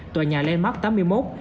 tòa nhà landmark tám mươi một